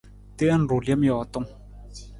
Teen ruu lem jootung.